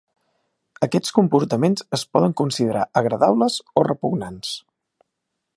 Aquests comportaments es poden considerar agradables o repugnants.